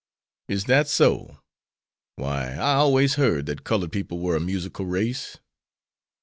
"Is that so? Why, I always heard that colored people were a musical race."